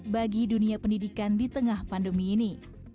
bagi dunia pendidikan di tengah pandemi ini